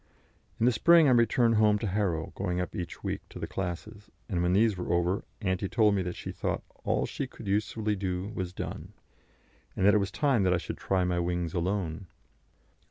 In the spring I returned home to Harrow, going up each week to the classes; and when these were over, Auntie told me that she thought all she could usefully do was done, and that it was time that I should try my wings alone.